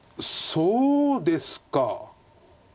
そうですか。